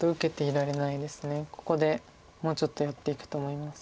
ここでもうちょっとやっていくと思います。